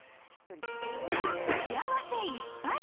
幸せいっぱい！